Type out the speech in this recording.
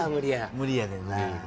無理やねんな。